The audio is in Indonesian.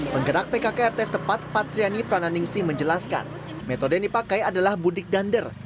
penggerak pkk rt empat patriani pranandingsi menjelaskan metode yang dipakai adalah budik dander